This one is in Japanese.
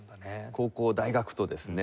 高校大学とですね